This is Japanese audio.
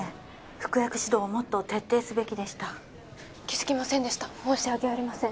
服薬指導をもっと徹底すべきでした気づきませんでした申し訳ありません